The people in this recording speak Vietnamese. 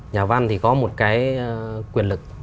nhà văn thì có một cái quyền lực